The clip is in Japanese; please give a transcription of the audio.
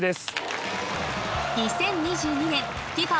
２０２２年ＦＩＦＡ